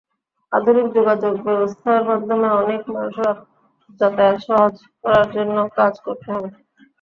আধুনিক যোগাযোগব্যবস্থার মাধ্যমে অনেক মানুষের যাতায়াত সহজ করার জন্য কাজ করতে হবে।